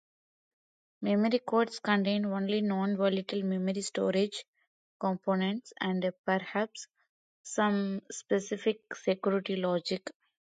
Memory cards contain only non-volatile memory storage components, and perhaps some specific security logic.